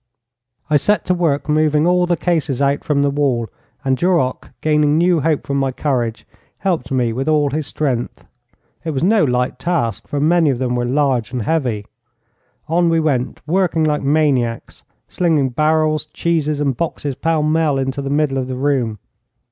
I set to work moving all the cases out from the wall, and Duroc, gaining new hope from my courage, helped me with all his strength. It was no light task, for many of them were large and heavy. On we went, working like maniacs, slinging barrels, cheeses, and boxes pell mell into the middle of the room.